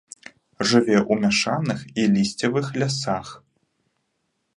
Жыве ў мяшаных і лісцевых лясах.